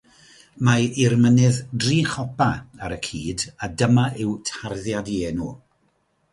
Mae i'r mynydd dri chopa ar y cyd a dyma yw tarddiad ei enw.